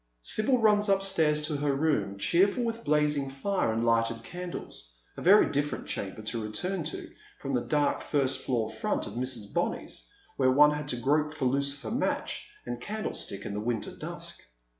Sibyl runs upstairs to her room, cheerful with blazing fire and lighted candles — a very different chamber to return to from that dark first floor front of Mrs. Benny's, where one had to grope for lucifer match and candlestick in the winter dusk.